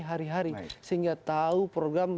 hari hari sehingga tahu program